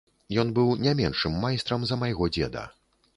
Ён быў не меншым майстрам за майго дзеда.